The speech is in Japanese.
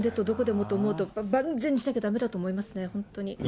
どこでもと思うと、万全にしなきゃだめだと思いますね、本当に。